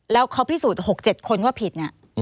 แล้วเขาพิสูจน์๖๗คนว่าผิด